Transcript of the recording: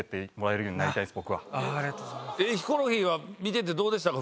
ヒコロヒーは見ててどうでしたか？